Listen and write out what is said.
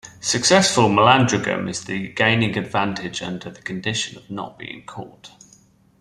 Successful malandragem is gaining advantage under the condition of not being caught.